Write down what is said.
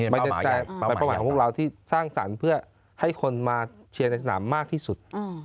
เป็นประวัติของพวกเราที่สร้างสรรค์เพื่อให้คนมาเชียร์ในสนามมากที่สุด